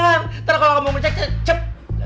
nanti kalau kamu mau cek cek